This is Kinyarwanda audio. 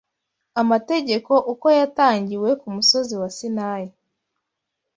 Amategeko uko yatangiwe ku musozi wa Sinayi